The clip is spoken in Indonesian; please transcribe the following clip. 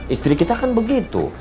istri kita kan begitu